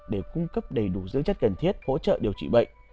để cung cấp đầy đủ dưỡng chất cần thiết hỗ trợ điều trị bệnh